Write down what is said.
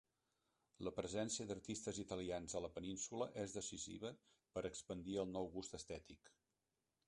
La presència d'artistes italians a la península és decisiva per expandir el nou gust estètic.